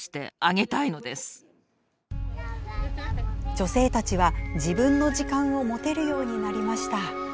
女性たちは自分の時間を持てるようになりました。